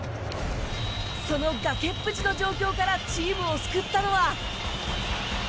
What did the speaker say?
その崖っぷちの状況からチームを救ったのは。